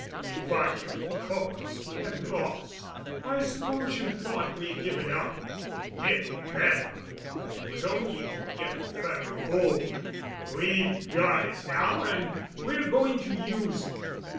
We fought you in the courts and lost. I suppose you thought we had given up. We did let up, but it was only to get a firmer hold. We've got it now, and we're going to use it.